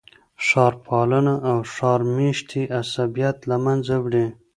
ښار پالنه او ښار میشتي عصبیت له منځه وړي.